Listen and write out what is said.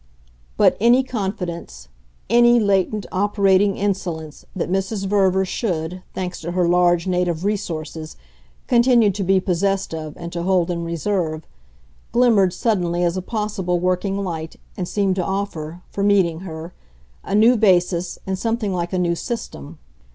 But ANY confidence, ANY latent operating insolence, that Mrs. Verver should, thanks to her large native resources, continue to be possessed of and to hold in reserve, glimmered suddenly as a possible working light and seemed to offer, for meeting her, a new basis and something like a new system.